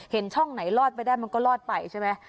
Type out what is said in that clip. ช่องไหนลอดไปได้มันก็รอดไปใช่ไหม